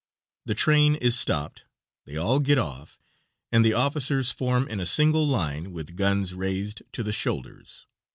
The train is stopped, they all get off, and the officers form in a single line, with guns raised to the shoulders.